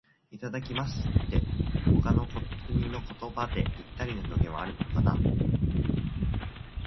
「いただきます」って、他の国の言葉でぴったりの表現はあるのかな。